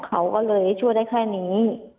เขาก็เลยช่วยได้แค่นี้